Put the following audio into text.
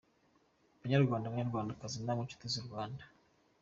Banyarwanda, Banyarwandakazi namwe nshuti z’u Rwanda ;